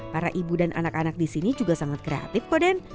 para ibu dan anak anak di sini juga sangat kreatif kok den